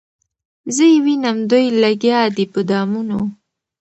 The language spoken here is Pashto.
زه یې وینم دوی لګیا دي په دامونو